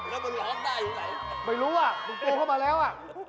แล้วมันร้องได้อยู่ไหนไม่รู้อ่ะมึงโตเข้ามาแล้วอ่ะ